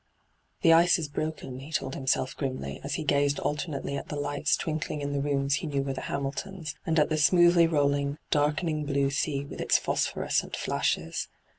' The ice is broken,' he told himself grimly, as he gazed alternately at the lights twinkling in the rooms he knew were the Hamiltons', and at the smoothly rolling, darkening blue sea with its phosphorescent flashes.